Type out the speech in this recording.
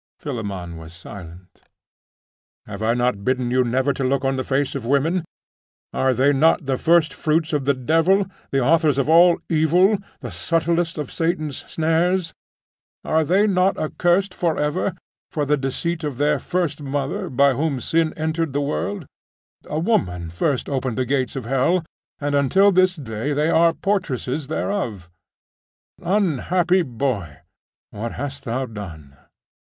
Philammon was silent. 'Have I not bidden you never to look on the face of women? Are they not the firstfruits of the devil, the authors of all evil, the subtlest of all Satan's snares? Are they not accursed for ever, for the deceit of their first mother, by whom sin entered into the world? A woman first opened the gates of hell; and, until this day, they are the portresses thereof. Unhappy boy! What hast thou done?